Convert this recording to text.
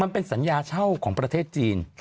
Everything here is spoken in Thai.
มันเป็นสัญญาเช่าของประเทศจีน